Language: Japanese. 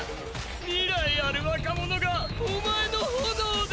未来ある若者がおまえの炎で！